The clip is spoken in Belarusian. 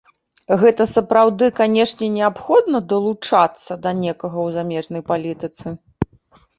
Гэта, сапраўды, канечне неабходна, далучацца да некага ў замежнай палітыцы?